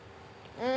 うん！